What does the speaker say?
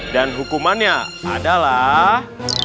dan hukumannya adalah